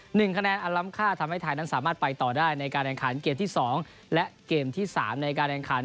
หนึ่งคะแนนอันล้ำค่าทำให้ไทยนั้นสามารถไปต่อได้ในการแข่งขันเกมที่สองและเกมที่สามในการแข่งขัน